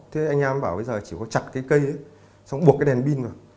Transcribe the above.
thế anh em bảo bây giờ chỉ có chặt cái cây ấy xong buộc cái đèn pin vào